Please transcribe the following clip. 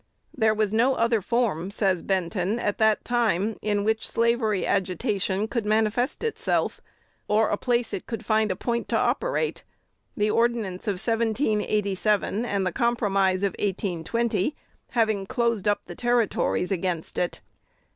"There was no other form," says Benton, "at that time, in which slavery agitation could manifest itself, or place it could find a point to operate; the ordinance of 1787 and the compromise of 1820 having closed up the Territories against it.